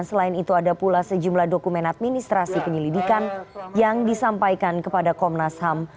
selain itu ada pula sejumlah dokumen administrasi penyelidikan yang disampaikan kepada komnas ham